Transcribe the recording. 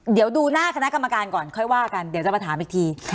เดี๋ยวดูหน้าคณะกรรมการก่อนค่อยว่ากันเดี๋ยวจะมาถามอีกที